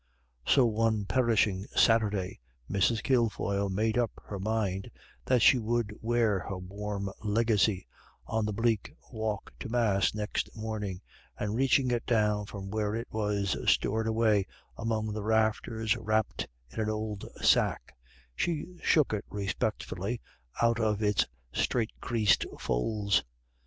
So one perishing Saturday Mrs. Kilfoyle made up her mind that she would wear her warm legacy on the bleak walk to Mass next morning, and reaching it down from where it was stored away among the rafters wrapped in an old sack, she shook it respectfully out of its straight creased folds.